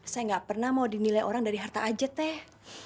saya nggak pernah mau dinilai orang dari harta aja teh